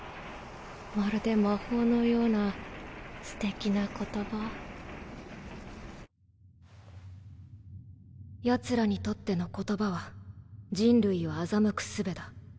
まるで魔法のようなステキな言葉ヤツらにとっての言葉は人類を欺く術だ。